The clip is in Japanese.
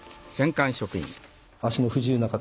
足の不自由な方